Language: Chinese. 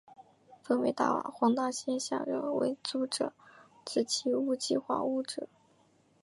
分为黄大仙下邨为租者置其屋计划屋邨。